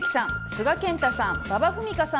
須賀健太さん